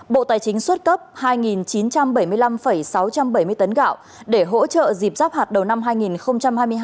bộ tài chính xuất cấp hai chín trăm bảy mươi năm sáu trăm bảy mươi tấn gạo để hỗ trợ dịp giáp hạt đầu năm hai nghìn hai mươi hai